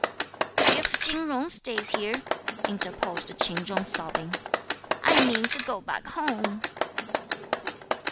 "If Chin Jung stays here," interposed Ch'in Chung sobbing, "I mean to go back home."